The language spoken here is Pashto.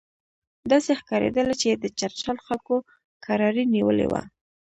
داسې ښکارېدله چې د چترال خلکو کراري نیولې وه.